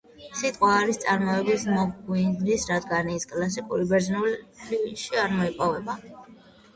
სიტყვა არის ნაწარმოები მოგვიანებით რადგან ის კლასიკურ ბერძნულში არ მოიპოვება.